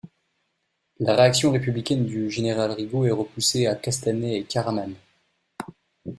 La réaction républicaine du Général Rigaud est repoussée à Castanet et Caraman.